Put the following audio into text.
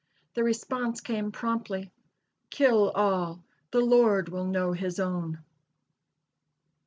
The response came promptly: "Kill all; the Lord will know his own!"